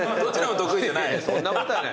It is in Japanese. そんなことはない。